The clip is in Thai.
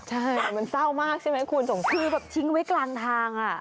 ใช่มันเศร้ามากใช่ไหมคุณส่งคือแบบทิ้งไว้กลางทางอ่ะ